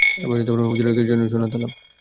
হুজুরের খেজুরের জন্য সোনার তালা!